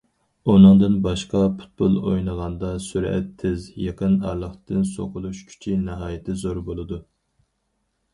ئۇنىڭدىن باشقا، پۇتبول ئوينىغاندا سۈرئەت تېز، يېقىن ئارىلىقتىن سوقۇلۇش كۈچى ناھايىتى زور بولىدۇ.